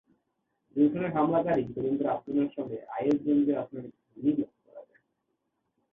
গুলশানের হামলাকারী তরুণদের আচরণের সঙ্গে আইএস জঙ্গিদের আচরণের কিছু মিল লক্ষ করা যায়।